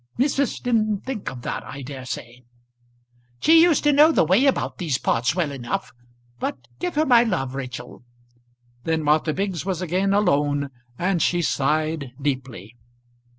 "Missus didn't think of that, I dare say." "She used to know the way about these parts well enough. But give her my love, Rachel." Then Martha Biggs was again alone, and she sighed deeply.